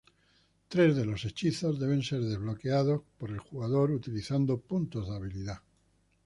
Tres de los hechizos deben ser desbloqueado por el jugador utilizando puntos de habilidad.